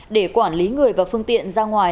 để quản lý người và phương tiện ra ngoài